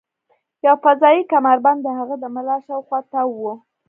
یو فضايي کمربند د هغه د ملا شاوخوا تاو و